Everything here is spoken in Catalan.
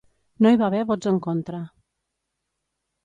No hi va haver vots en contra.